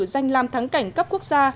danh làm thắng cảnh cấp quốc gia